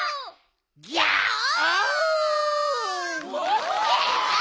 ギャオン！